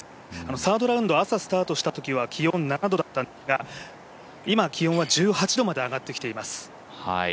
サードラウンド朝スタートしたときは気温７度だったんですが、今、気温は１８度まで上がってきています。